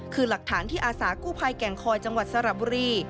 คือหลักฐานที่อาสากู้ภัยแก่งคอยจังหวัดสระบุรี